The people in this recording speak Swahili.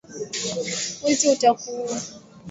Wizi utakuua